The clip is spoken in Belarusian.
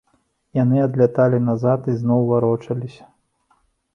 Яны адляталі назад і ізноў варочаліся.